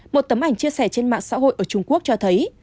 một tấm ảnh chia sẻ trên mạng xã hội ở trung quốc cho thấy